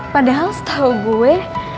padahal setahu gue